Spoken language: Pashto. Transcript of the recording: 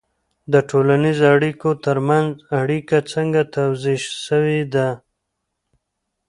د ټولنیزو اړیکو ترمنځ اړیکه څنګه توضیح سوې ده؟